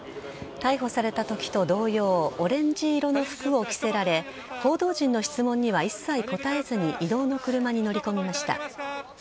逮捕されたときと同様オレンジ色の服を着せられ報道陣の質問には一切答えずに移動の車に乗り込みました。